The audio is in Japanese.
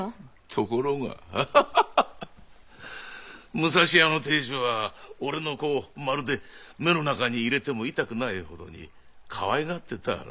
武蔵屋の亭主は俺の子をまるで目の中に入れても痛くないほどにかわいがってたらしいぞ。